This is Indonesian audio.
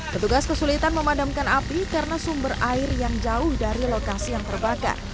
petugas kesulitan memadamkan api karena sumber air yang jauh dari lokasi yang terbakar